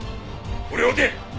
俺を撃て！